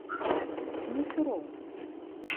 Ці не ўсё роўна?